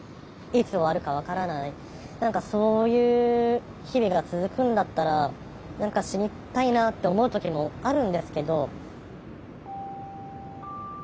いつ終わるか分からない何かそういう日々が続くんだったら何か死にたいなって思う時もあるんですけど。